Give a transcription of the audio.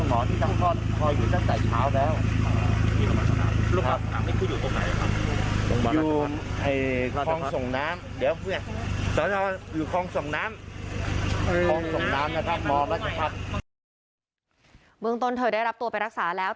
เมืองต้นเธอได้รับตัวไปรักษาแล้ว